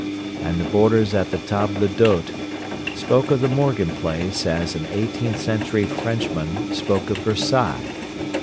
And the boarders at the table d'hôte spoke of "the Morgan Place" as an eighteenth century Frenchman spoke of Versailles.